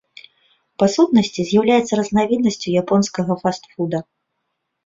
Па сутнасці з'яўляецца разнавіднасцю японскага фаст-фуда.